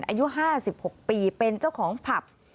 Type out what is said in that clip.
อายุ๕๖ปีเป็นเจ้าของผับ